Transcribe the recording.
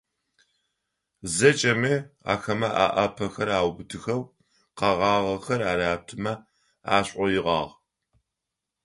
ЗэкӀэми ахэмэ alaпэхэр аубытыхэу, къэгъагъэхэр аратымэ ашӀоигъуагъ.